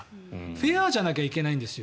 フェアじゃなければいけないんですよ。